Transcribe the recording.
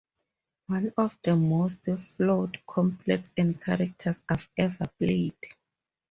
One of the most flawed, complex and characters I've ever played.